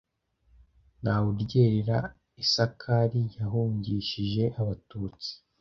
ntawuryerera isaacar yahungishije abatutsi